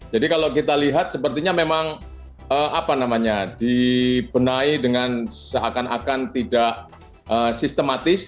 jadi kalau kita lihat sepertinya memang apa namanya dibenai dengan seakan akan tidak sistematis